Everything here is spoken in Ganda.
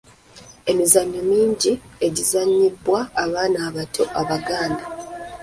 Emizannyo mingi egizannyibwa abaana abato Abaganda